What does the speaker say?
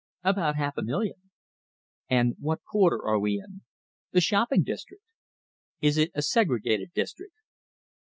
"About half a million." "And what quarter are we in?" "The shopping district." "Is it a segregated district?"